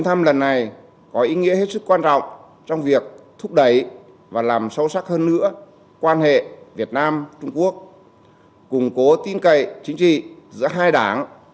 bảo hiểm passport và many other boundaries agricultural research of foreign issue việt nam và trung quốc chính thức thiết lập quan hệ ngoại giao vào ngày một mươi tám tháng một một nghìn chín trăm năm mươi